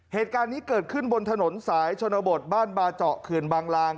เหตุการณ์นี้เกิดขึ้นบนถนนสายชนบทบ้านบาเจาะเขื่อนบางลาง